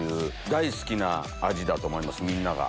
大好きな味だと思いますみんなが。